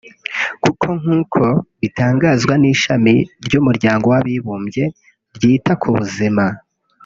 kuko nk’uko bitangazwa n’ishami ry’umuryango w’abibumbye ryita ku buzima